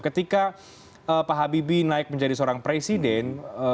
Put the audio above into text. ketika pak habibie naik menjadi seorang presiden